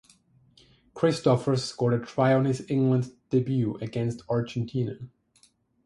Christophers scored a try on his England debut against Argentina.